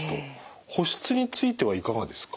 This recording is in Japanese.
保湿についてはいかがですか？